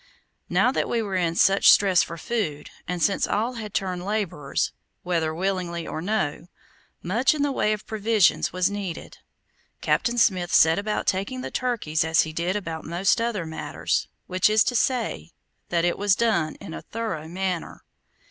Now that we were in such stress for food, and since all had turned laborers, whether willingly or no, much in the way of provisions was needed. Captain Smith set about taking the turkeys as he did about most other matters, which is to say, that it was done in a thorough manner.